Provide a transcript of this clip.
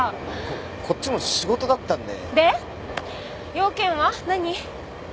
で用件は何？